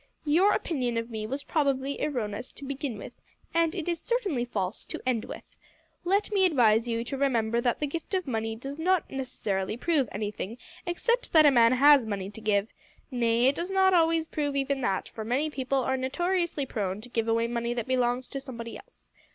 Your opinion of me was probably erroneous to begin with, and it is certainly false to end with. Let me advise you to remember that the gift of money does not necessarily prove anything except that a man has money to give nay, it does not always prove even that, for many people are notoriously prone to give away money that belongs to somebody else.